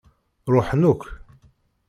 Ṛuḥen akk.